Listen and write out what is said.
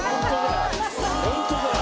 本当だよ